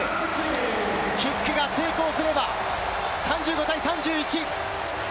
キックが成功すれば３５対３１。